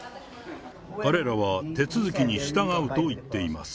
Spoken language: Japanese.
彼らは手続きに従うと言っています。